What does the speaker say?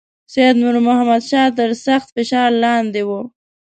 سید نور محمد شاه تر سخت فشار لاندې وو.